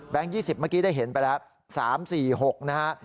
๒๐เมื่อกี้ได้เห็นไปแล้ว๓๔๖นะฮะ